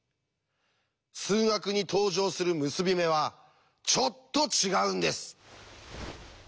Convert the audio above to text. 数学に登場する結び目はちょっと違うんです！